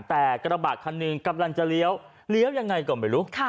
แต่กระบะคันหนึ่งกำลังจะเลี้ยวเลี้ยวยังไงก็ไม่รู้